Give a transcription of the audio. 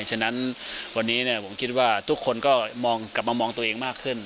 ฉะนั้นวันนี้ผมคิดว่าทุกคนก็กลับมามองตัวเองมากขึ้น